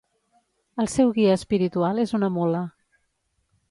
El seu guia espiritual és una mula.